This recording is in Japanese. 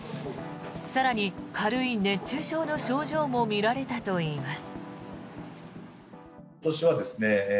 更に軽い熱中症の症状も見られたといいます。